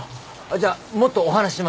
じゃあもっとお話ししましょう。